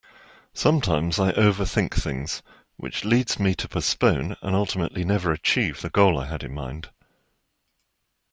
Sometimes I overthink things which leads me to postpone and ultimately never achieve the goal I had in mind.